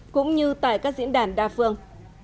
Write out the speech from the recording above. cũng như tại các diễn đàn đa phương